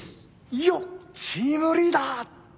よっチームリーダー。